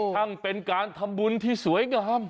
ทั้งเป็นการทำบุญที่สวยงาม